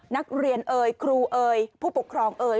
นักเรียนเอ่ยครูเอ่ยผู้ปกครองเอ่ย